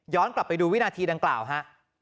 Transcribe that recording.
กลับไปดูวินาทีดังกล่าวฮะ